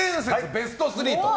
ベスト３と。